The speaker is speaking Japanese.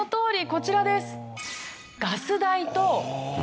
こちらです。